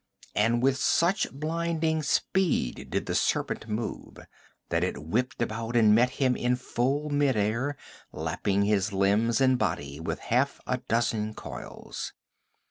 And with such blinding speed did the serpent move that it whipped about and met him in full midair, lapping his limbs and body with half a dozen coils.